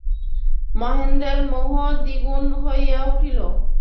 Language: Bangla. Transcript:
মহেন্দ্রের মোহ দ্বিগুণ হইয়া উঠিল।